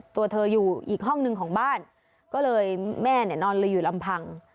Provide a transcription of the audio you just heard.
ตัวเธออยู่อีกห้องหนึ่งของบ้านก็เลยแม่เนี่ยนอนเลยอยู่ลำพัง